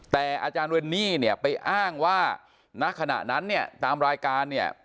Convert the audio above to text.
แต่อาจารย์เวนนี่เนี่ยไปอ้างว่าณขณะนั้นเนี่ยตามรายการเนี่ย